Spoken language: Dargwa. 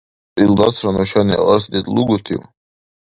Илдасра нушани арц дедлугутив?